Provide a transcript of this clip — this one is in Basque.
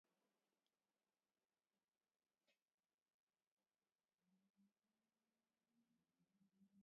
Medikuek besoa moztu behar izan diote azkenean.